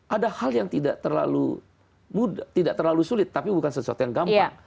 ada hal yang tidak terlalu mudah tidak terlalu sulit tapi bukan sesuatu yang gampang